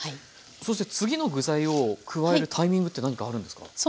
そして次の具材を加えるタイミングって何かあるんですか？